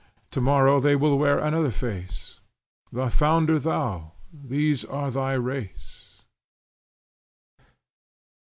Tomorrow they will wear another face, The founder thou! these are thy race!' II. EXPERIENCE.